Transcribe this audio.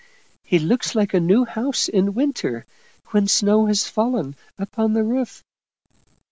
He looks like a new house in winter, when snow has fallen upon the roof."